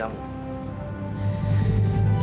ya ini untuk